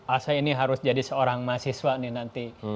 ah saya ini harus jadi seorang mahasiswa nih nanti